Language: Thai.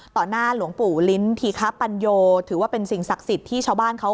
หน้าหลวงปู่ลิ้นธีคปัญโยถือว่าเป็นสิ่งศักดิ์สิทธิ์ที่ชาวบ้านเขา